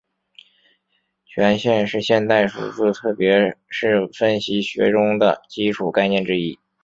极限是现代数学特别是分析学中的基础概念之一。